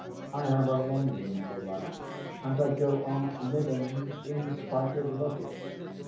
I have a longing for life, and I go on living in spite of logic.